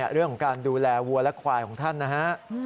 เรื่องของการดูแลวัวและควายของท่านนะฮะ